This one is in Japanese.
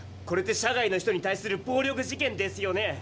これって社外の人に対する暴力事件ですよね？